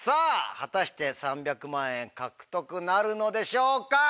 果たして３００万円獲得なるのでしょうか？